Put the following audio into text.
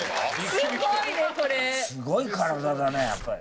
すごい体だねやっぱり。